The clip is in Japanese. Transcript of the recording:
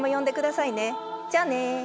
じゃあね。